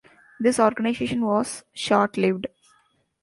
This organization was short lived.